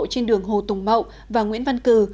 trên đường hồ tùng mậu và nguyễn văn cử